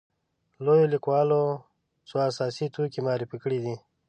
لویو لیکوالو څو اساسي توکي معرفي کړي دي.